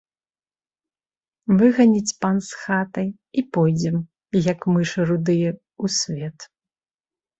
Выганіць пан з хаты, і пойдзем, як мышы рудыя, у свет.